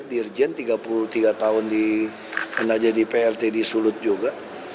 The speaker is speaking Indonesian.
dirjen tiga puluh tiga tahun di menajah di plt di sulut juga